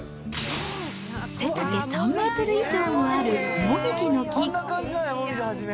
背丈３メートル以上もある紅葉の木。